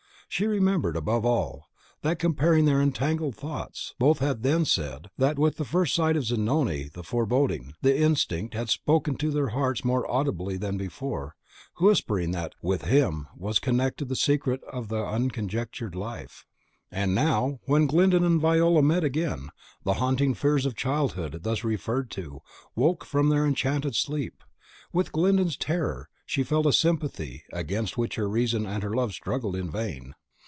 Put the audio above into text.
She remembered, above all, that, comparing their entangled thoughts, both had then said, that with the first sight of Zanoni the foreboding, the instinct, had spoken to their hearts more audibly than before, whispering that "with HIM was connected the secret of the unconjectured life." And now, when Glyndon and Viola met again, the haunting fears of childhood, thus referred to, woke from their enchanted sleep. With Glyndon's terror she felt a sympathy, against which her reason and her love struggled in vain.